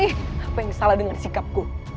apa yang salah dengan sikap ku